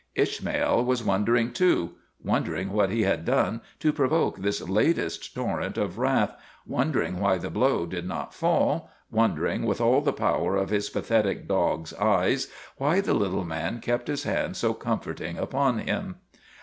Ishmael was wondering too wondering what he had done to provoke this latest torrent of wrath, wondering why the blow did not fall, wondering, with all the power of his pathetic dog's eyes, why the little man kept his hand so comforting upon him.